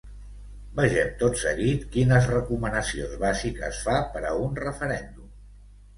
Vegem tot seguit quines recomanacions bàsiques fa per a un referèndum.